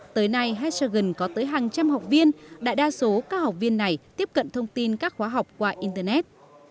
tới nay hestoglen có tới hàng trăm học viên đại đa số các học viên này tiếp cận thông tin các khóa học qua internet